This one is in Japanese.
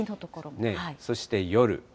そして夜。